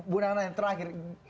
bu nana yang terakhir